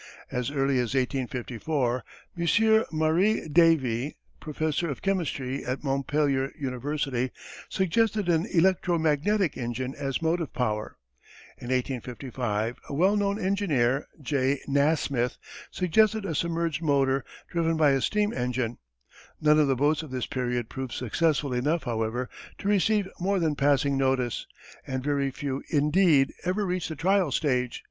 As early as 1854, M. Marié Davy, Professor of Chemistry at Montpellier University, suggested an electro magnetic engine as motive power. In 1855 a well known engineer, J. Nasmith, suggested a submerged motor, driven by a steam engine. None of the boats of this period proved successful enough, however, to receive more than passing notice, and very few, indeed, ever reached the trial stage.